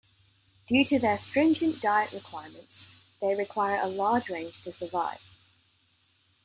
Due to their stringent diet requirements, they require a large range to survive.